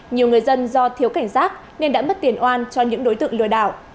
nhiều người dân do thiếu cảnh giác nên đã mất tiền oan cho những đối tượng lừa đảo